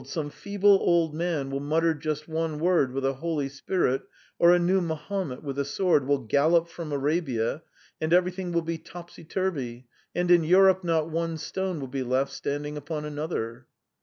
some feeble old man will mutter just one word with a holy spirit, or a new Mahomet, with a sword, will gallop from Arabia, and everything will be topsy turvy, and in Europe not one stone will be left standing upon another."